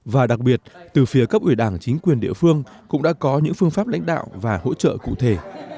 và đặc biệt từ phía cấp ủy đảng chính quyền địa phương cũng đã có những phương pháp lãnh đạo và hỗ trợ cụ thể